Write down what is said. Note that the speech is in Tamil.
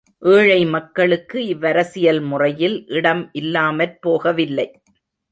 ஏழை மக்களுக்கு இவ்வரசியல் முறையில் இடம் இல்லாமற் போகவில்லை.